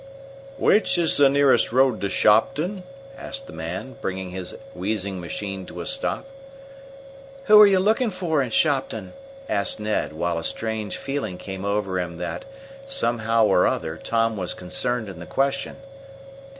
"Which is the nearest road to Shopton?" asked the man, bringing his wheezing machine to a stop. "Who are you looking for in Shopton?" asked Ned, while a strange feeling came over him that, somehow or other, Tom was concerned in the question.